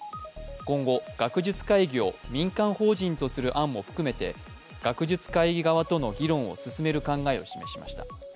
今後、学術会議を民間法人とする案も含めて学術会議側との議論を進める考えを示しました。